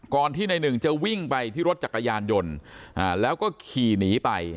ที่ในหนึ่งจะวิ่งไปที่รถจักรยานยนต์แล้วก็ขี่หนีไป